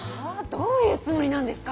どういうつもりなんですか？